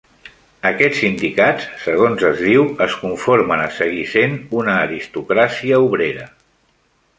Aquests sindicats, segons es diu, es conformen a seguir sent una aristocràcia obrera.